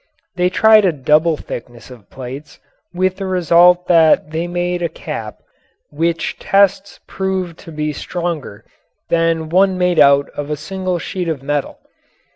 They tried a double thickness of plates, with the result that they made a cap which tests proved to be stronger than one made out of a single sheet of metal.